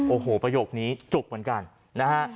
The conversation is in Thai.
โอ้โหประโยคนี้จุกเหมือนกันนะฮะ